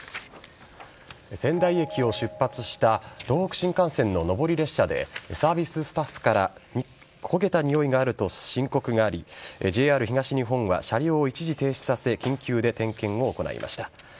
仙台駅を出発した東北新幹線の上り列車でサービススタッフから焦げたにおいがあると申告がありＪＲ東日本は車両を一時停止させ緊急で点検を行いました。